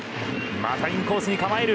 またインコースに構える。